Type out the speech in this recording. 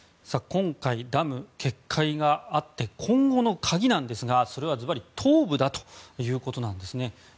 今回、ダム決壊があって今後の鍵なんですがそれはずばり東部だということなんです。